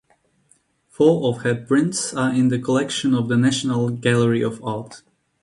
Four of her prints are in the collection of the National Gallery of Art.